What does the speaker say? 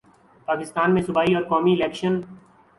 پاکستان میں صوبائی اور قومی الیکشن